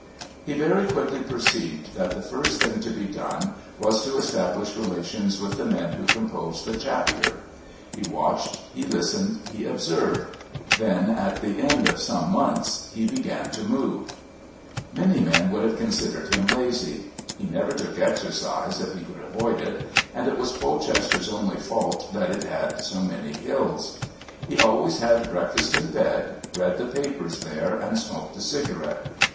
He very quickly perceived that the first thing to be done was to establish relations with the men who composed the Chapter. He watched, he listened, he observed, then, at the end of some months, he began to move. Many men would have considered him lazy. He never took exercise if he could avoid it, and it was Polchester's only fault that it had so many hills. He always had breakfast in bed, read the papers there and smoked a cigarette.